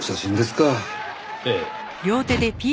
ええ。